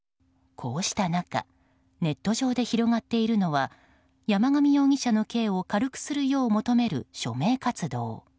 こうした中ネット上で広がっているのは山上容疑者の刑を軽くするよう求める署名活動。